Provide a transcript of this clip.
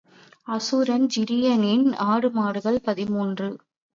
அசுரன் ஜிரியனின் ஆடுமாடுகள் பதிமூன்று .